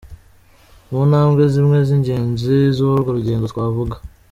Mu ntambwe zimwe z’ingenzi z’urwo rugendo twavuga: